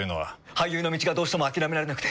俳優の道がどうしても諦められなくて。